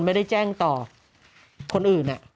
ไม่ได้แจ้งต่อคนอื่น